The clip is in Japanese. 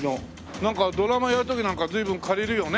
なんかドラマやる時なんか随分借りるよね。